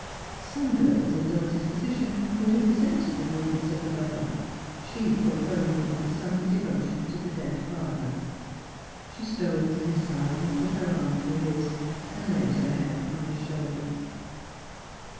Some girls in Dulcie's position would have resented the rudeness of the lover ; she thought only 22 Just as I Am. of the son's devotion to a dead father. She stole to his side, and put her arm through his, and laid her head upon his shoulder.